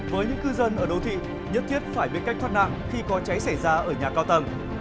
với những cư dân ở đô thị nhất thiết phải biết cách thoát nạn khi có cháy xảy ra ở nhà cao tầng